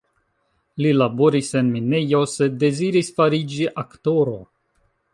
Li laboris en minejo, sed deziris fariĝi aktoro.